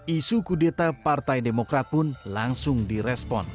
isu kudeta partai demokrat pun langsung direspon